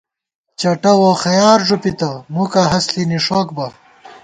چٹہ ووخَیار ݫُپِتہ ، مُکہ ہست ݪی نِݭوک بہ